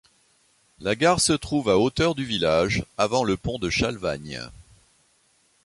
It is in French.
La gare se trouve à hauteur du village, avant le pont de Chalvagne.